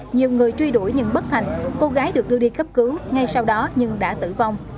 nhiều người truy đuổi nhưng bất thành cô gái được đưa đi cấp cứu ngay sau đó nhưng đã tử vong